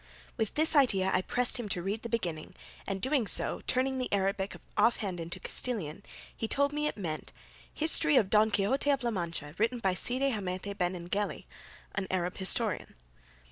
With this idea I pressed him to read the beginning, and doing so, turning the Arabic offhand into Castilian, he told me it meant, "History of Don Quixote of La Mancha, written by Cide Hamete Benengeli, an Arab historian."